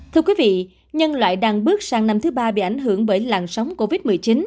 thưa quý vị nhân loại đang bước sang năm thứ ba bị ảnh hưởng bởi làn sóng covid một mươi chín